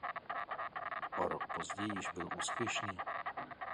O rok později již byl úspěšný.